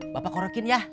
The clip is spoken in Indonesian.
bapak korekin ya